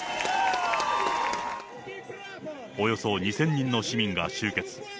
およそ２０００人の市民が集結。